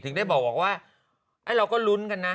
ถึงได้บอกว่าเราก็ลุ้นกันนะ